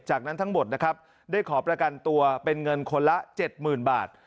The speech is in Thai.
จากนั้นทั้งหมดนะครับได้ขอประกันตัวเป็นเงินคนละ๗๐๐๐บาท